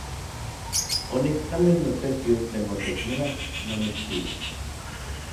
Oniktlamij n notekiu tlen otechmakak ma nikchiua.